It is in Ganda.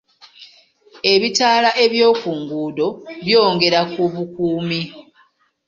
Ebitaala by'oku nguudo byongera ku bukuumi .